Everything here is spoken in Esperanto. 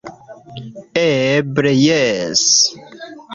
Eble jes!